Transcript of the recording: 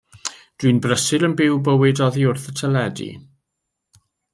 Dwi'n brysur yn byw bywyd oddi wrth y teledu.